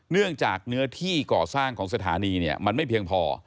เนื่องจากเนื้อที่ก่อสร้างของสถานีเนี่ยมันไม่เพียงพอ